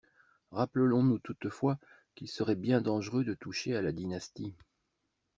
Rappelons-nous toutefois qu'il serait bien dangereux de toucher à la dynastie.